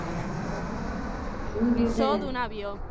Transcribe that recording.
Şunu bir dene.